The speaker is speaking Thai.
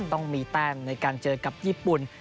ต้องมีแต้มในการเจอกับญี่ปุ่น